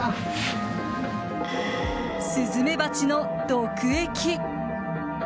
スズメバチの毒液！